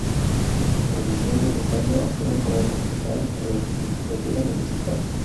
En diciembre de ese año asume como concejal en la legislatura municipal.